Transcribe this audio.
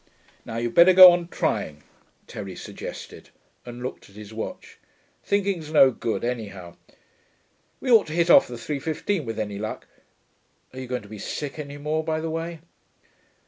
'Now you'd better go on trying,' Terry suggested, and looked at his watch. 'Thinking's no good, anyhow.... We ought to hit off the 3.15 with any luck. Are you going to be sick any more, by the way?'